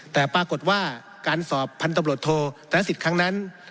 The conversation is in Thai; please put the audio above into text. แต่ปรากฏว่าการสอบพันธบรวจโทธนสิทธิ์ครั้งนั้น